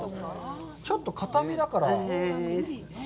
ちょっとかためだから。